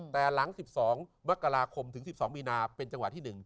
แต่หลัง๑๒มกราคมถึง๑๒มีนาเป็นจังหวะที่๑